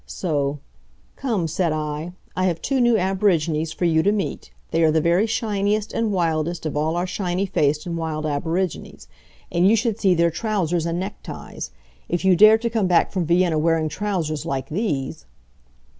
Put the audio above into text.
So, "Come," said I. "I have two new aborigines for you to meet. They are the very shiniest and wildest of all our shiny faced and wild aborigines. And you should see their trousers and neckties! If you dare to come back from Vienna wearing trousers like these!